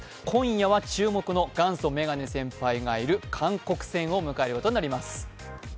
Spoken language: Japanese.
今夜は注目の元祖メガネ選手がいる韓国戦を迎えることになります。